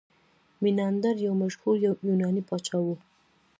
میناندر یو مشهور یوناني پاچا و